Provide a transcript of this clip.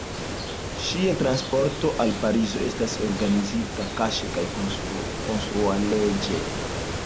Ŝia transporto al Parizo estas organizita kaŝe kaj kontraŭleĝe.